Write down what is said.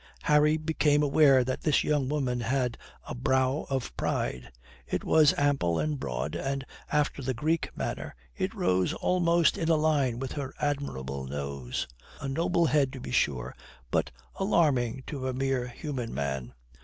Harry became aware that this young woman had a brow of pride. It was ample and broad and, after the Greek manner, it rose almost in a line with her admirable nose. A noble head, to be sure, but alarming to a mere human man.